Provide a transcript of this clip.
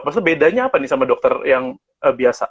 maksudnya bedanya apa nih sama dokter yang biasa